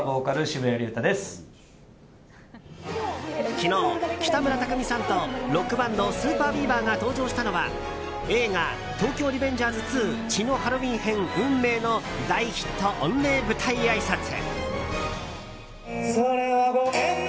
昨日、北村匠海さんとロックバンドＳＵＰＥＲＢＥＡＶＥＲが登場したのは映画「東京リベンジャーズ２血のハロウィン編‐運命‐」の大ヒット御礼舞台あいさつ。